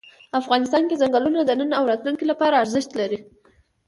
افغانستان کې ځنګلونه د نن او راتلونکي لپاره ارزښت لري.